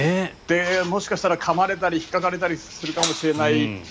もしかしたら、かまれたりひっかかれたりするかもしれない。